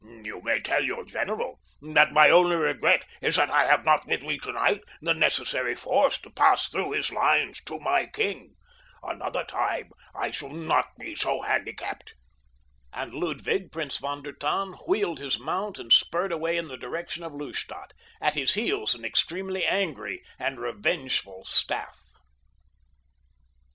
You may tell your general that my only regret is that I have not with me tonight the necessary force to pass through his lines to my king—another time I shall not be so handicapped," and Ludwig, Prince von der Tann, wheeled his mount and spurred away in the direction of Lustadt, at his heels an extremely angry and revengeful staff.